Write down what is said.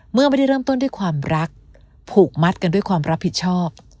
เมื่อไม่ได้เริ่มต้นด้วยความรักผูกมัดกันด้วยความรับผิดชอบ